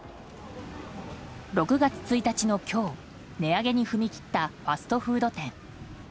６月１日の今日値上げに踏み切ったファストフード店。